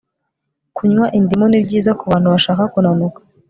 kunywa indimu ni byiza kubantu bashaka kunanuka